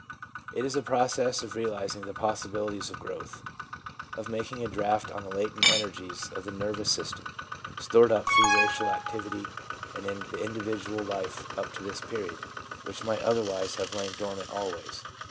It is a process of realising the possibilities of growth ; of making a draft on the latent energies of the nervous system, stored up through racial activity and in the individual life up to this period, which might otherwise have lain dormant always.